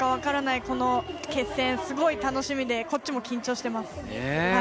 この決戦、楽しみで、こっちも緊張しています。